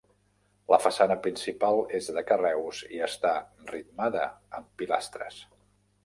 La façana principal és de carreus i està ritmada amb pilastres.